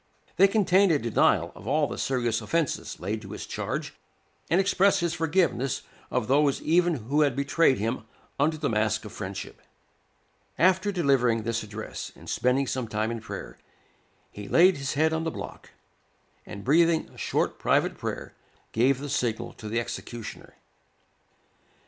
They contain a denial of all the serious offences laid to his charge, and express his forgiveness of those even who had betrayed him under the mask of friendship. After delivering this address, and spending some time in prayer, he laid his head on the block, and breathing a short private prayer, gave the signal to the executioner.